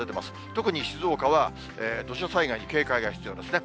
特に静岡は、土砂災害に警戒が必要ですね。